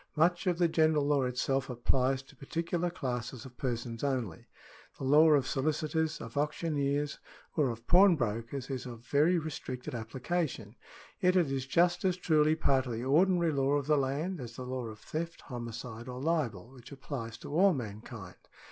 Much of the general law itself applies to particular classes of persons only. The law of sohcitors, of auctioneers, or of pawnbrokers, is of very re stricted application ; yet it is just as truly part of the ordinary law of the land as is the law of theft, homicide, or libel, which applies to all mankind.